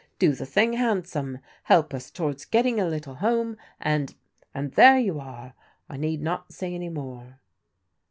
Do the thing handsome, help us towards getting a little home, and — ^and, there you are. I need not say any more."